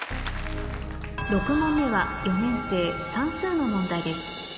６問目は４年生算数の問題です